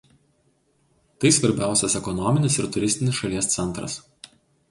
Tai svarbiausias ekonominis ir turistinis šalies centras.